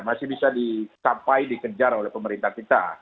masih bisa dicapai dikejar oleh pemerintah kita